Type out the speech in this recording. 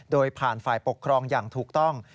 โดยผ่านฝ่ายปกครองอย่างถูกต้อง